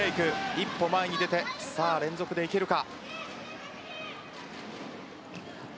一歩前に出て、連続でいけるか。